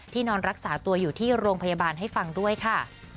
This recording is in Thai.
นอนรักษาตัวอยู่ที่โรงพยาบาลให้ฟังด้วยค่ะ